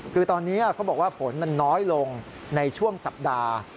คือตอนนี้เขาบอกว่าฝนมันน้อยลงในช่วงสัปดาห์